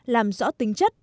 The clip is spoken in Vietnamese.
làm rõ tính chất